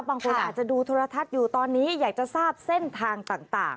บางคนอาจจะดูโทรทัศน์อยู่ตอนนี้อยากจะทราบเส้นทางต่าง